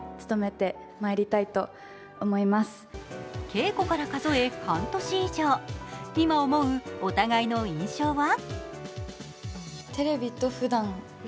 稽古から数え、半年以上今思う、お互いの印象は？